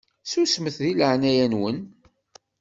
Susmet di leɛnaya-nwen!